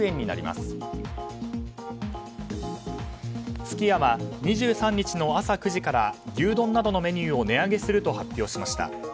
すき家は２３日の朝９時から牛丼などのメニューを値上げすると発表しました。